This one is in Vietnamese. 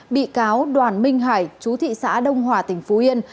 bị cáo đoàn minh hải chú thị xã đông hòa tỉnh phú yên